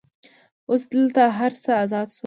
اوس دلته هر څه آزاد شول.